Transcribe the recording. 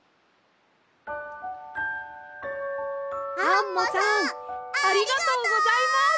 ありがとうございます！